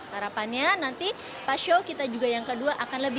harapannya nanti pas show kita juga yang kedua akan mencapai dua lima ratus